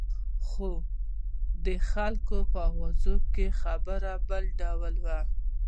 خو د خلکو په اوازو کې خبره بل ډول وه.